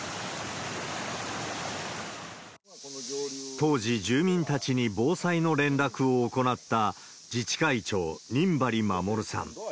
当時、住民たちに防災の連絡を行った自治会長、仁張衛さん。